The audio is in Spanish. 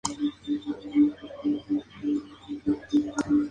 La capital del distrito recae sobre la ciudad de Bergen auf Rügen.